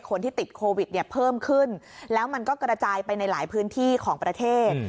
คนที่ติดโควิดเนี่ยเพิ่มขึ้นแล้วมันก็กระจายไปในหลายพื้นที่ของประเทศ